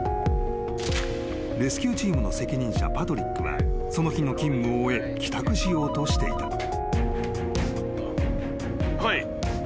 ［レスキューチームの責任者パトリックはその日の勤務を終え帰宅しようとしていた］